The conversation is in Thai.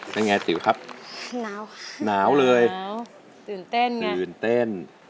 เป็นไงติ๋วครับหนาวเลยตื่นเต้น